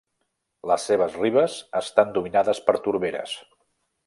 Les seves ribes estan dominades per torberes.